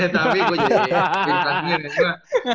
tapi gue jadi pimpinan akhir